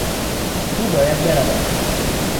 او باید برود.